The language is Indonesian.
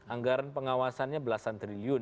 anggaran pengawasannya belasan triliun